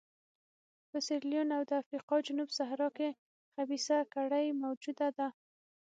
په سیریلیون او د افریقا جنوب صحرا کې خبیثه کړۍ موجوده ده.